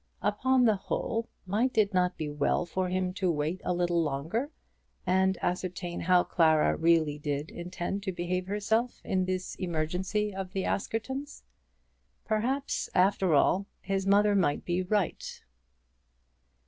Upon the whole might it not be well for him to wait a little longer, and ascertain how Clara really intended to behave herself in this emergency of the Askertons? Perhaps, after all, his mother might be right.